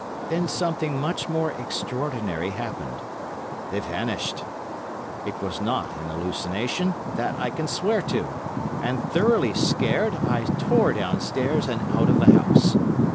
Then something much more extraordinary happened—they vanished. It was not an hallucination—that I can swear to—and thoroughly scared, I tore downstairs and out of the house.